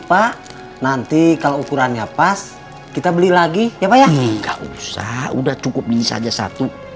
pak nanti kalau ukurannya pas kita beli lagi ya pak ya nggak usah udah cukup ini saja satu